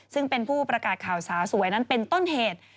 ซึ่งเป็นผู้ประกาศข่าวสาวสวยนั้นเป็นต้นเหตุ